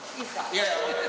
いやいや。